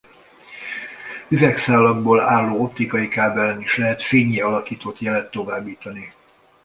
Üvegszálakból álló optikai kábelen is lehet fénnyé alakított jelet továbbítani.